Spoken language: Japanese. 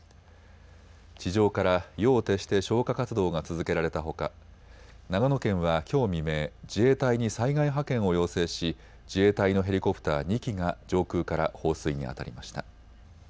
地上から夜を徹して消火活動が続けられたほか長野県はきょう未明、自衛隊に災害派遣を要請し、自衛隊のヘリコプター２機が上空から放水にあたりました。